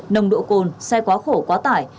nồng độ cồn xe quá khổ quá tải